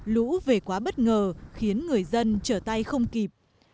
lũ về quá bất ngờ khiến người dân trở tay không kịp